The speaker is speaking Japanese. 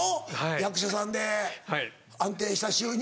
役者さんで安定した収入。